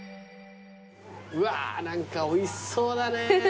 うわあ何かおいしそうだね。